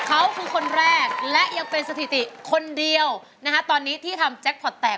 เขาคือคนแรกและยังเป็นสถิติคนเดียวนะฮะตอนนี้ที่ทำแจ็คพอร์ตแตก